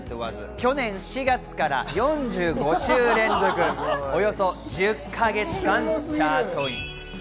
去年４月から４５週連続、およそ１０か月間チャートイン。